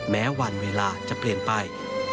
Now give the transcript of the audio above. แม้วันเวลาจะเปลี่ยนไป